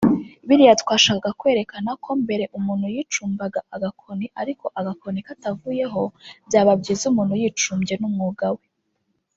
Biriya twashakaga kwerekana ko mbere umuntu yicumbaga agakoni ariko agakoni katavuyeho byaba byiza umuntu yicumbye n’umwuga we